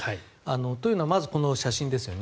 というのはまず、この写真ですよね。